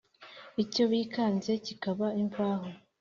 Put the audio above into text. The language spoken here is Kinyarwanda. Icyo bikanze kikaba imvaho,